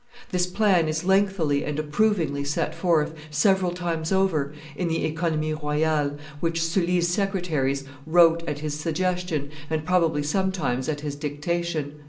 This plan is lengthily and approvingly set forth, several times over, in the OEconomies royales, which Sully's secretaries wrote at his suggestion, and probably sometimes at his dictation.